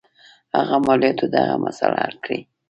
هغه مالیاتو دغه مسله حل کړي.